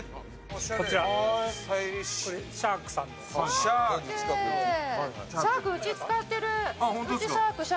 こちら、シャークさんです。